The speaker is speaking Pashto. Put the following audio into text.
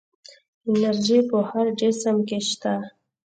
انرژي په هر جسم کې شته.